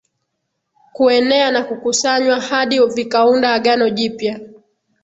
kuenea na kukusanywa hadi vikaunda Agano Jipya